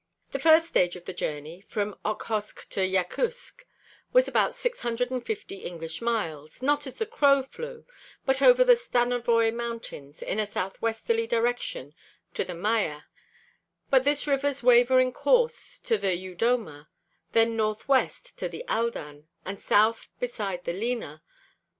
The first stage of the journey from Okhotsk to Yakutsk was about six hundred and fifty English miles, not as the crow flew, but over the Stanovoi mountains in a southwesterly direction to the Maya, by this river's wavering course to the Youdoma, then northwest to the Aldan, and south beside the Lena.